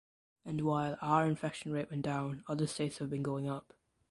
And while our infection rate went down, other states have been going up.